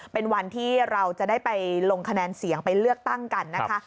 เป็นวันที่เราจะได้ไปลงคะแนนเสียงไปเลือกตั้งกันนะคะ